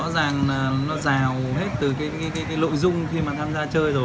nó rào hết từ cái lội dung khi mà tham gia chơi rồi